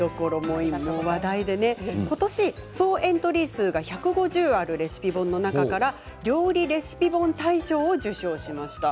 今、話題でことし総エントリー数１５０あるレシピ本の中から料理レシピ本大賞を受賞しました。